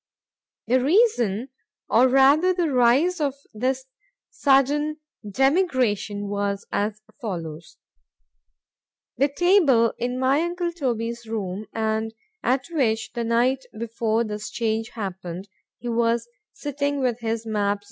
_ The reason, or rather the rise of this sudden demigration was as follows: The table in my uncle Toby's room, and at which, the night before this change happened, he was sitting with his maps, &c.